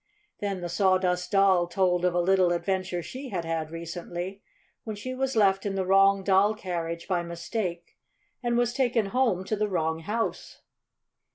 Then the Sawdust Doll told of a little adventure she had had recently, when she was left in the wrong doll carriage by mistake and was taken home to the wrong house.